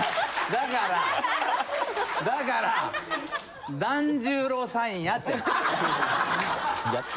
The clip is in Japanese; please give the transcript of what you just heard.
だからだから團十郎さんやて！やて。